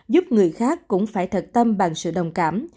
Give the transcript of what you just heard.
giúp người khác cũng phải thật tâm bằng sự đồng cảm